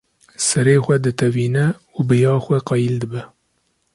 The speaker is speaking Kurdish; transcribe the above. Serê xwe ditewîne û bi ya xwe qayîl dibe.